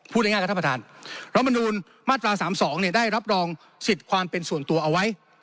ง่ายครับท่านประธานรัฐมนูลมาตรา๓๒ได้รับรองสิทธิ์ความเป็นส่วนตัวเอาไว้